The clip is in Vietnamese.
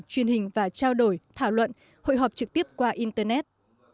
truyền hình và trao đổi thảo luận hội họp trực tiếp qua internet